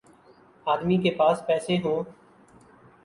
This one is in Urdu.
آدمی کے پاس پیسے ہوں۔